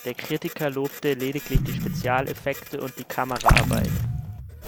Der Kritiker lobte lediglich die Spezialeffekte und die Kameraarbeit.